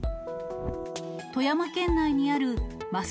富山県内にあるます